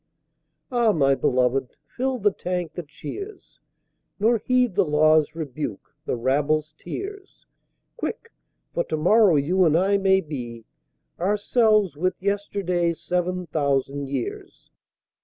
Ah, my Beloved, fill the Tank that cheers, Nor heed the Law's rebuke, the Rabble's tears, Quick! For To morrow you and I may be Ourselves with Yesterday's Sev'n Thousand Years.